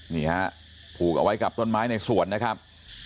นี่ฮะผูกเอาไว้กับต้นไม้ในสวนนะครับ